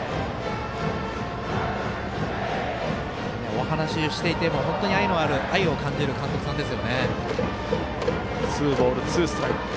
お話をしていても愛のある愛を感じる監督さんです。